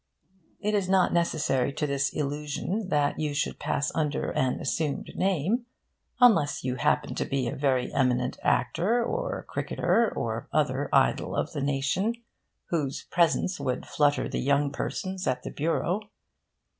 It is not necessary to this illusion that you should pass under an assumed name, unless you happen to be a very eminent actor, or cricketer, or other idol of the nation, whose presence would flutter the young persons at the bureau.